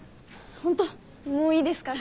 ホントもういいですから。